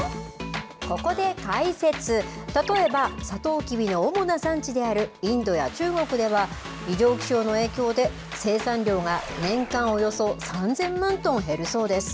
ここで解説、例えばさとうきびの主な産地であるインドや中国では異常気象の影響で生産量が年間およそ３０００万トン減るそうです。